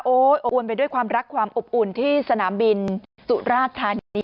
โออวนไปด้วยความรักความอบอุ่นที่สนามบินสุราธานี